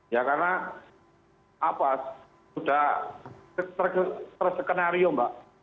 ya karena apa sudah tersekenario mbak